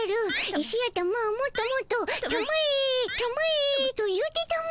石頭もっともっと「たまえたまえ」と言うてたも。